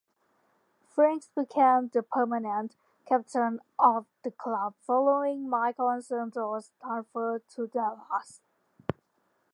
Frings became the permanent captain of the club following Maicon Santos's transfer to Dallas.